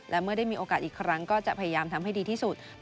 และเมื่อได้มีโอกาสอีกครั้งก็จะพยายามทำให้ดีที่สุด